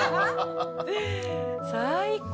最高。